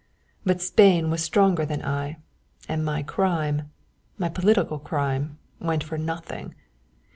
"But Spain was stronger than I, and my crime my political crime went for nothing.